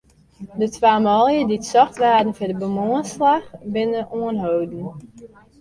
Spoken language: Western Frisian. De twa manlju dy't socht waarden foar de bomoanslach, binne oanholden.